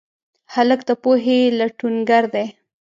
هلک د پوهې لټونګر دی.